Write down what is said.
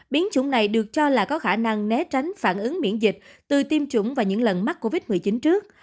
biến chủng này được cho là có khả năng né tránh phản ứng miễn dịch từ tiêm chủng và những lần mắc covid một mươi chín trước